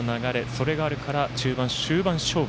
それがあるから、中盤終盤勝負。